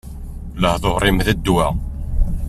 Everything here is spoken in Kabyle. Lehdur-im, d ddwa!